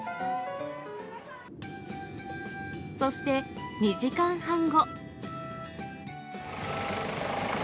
そして２時間半後。